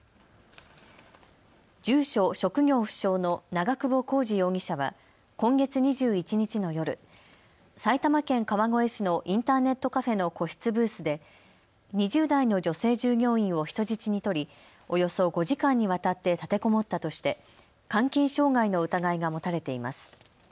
住所・職業不詳の長久保浩二容疑者は今月２１日の夜、埼玉県川越市のインターネットカフェの個室ブースで２０代の女性従業員を人質に取りおよそ５時間にわたって立てこもったとして監禁傷害の疑いが持たれています。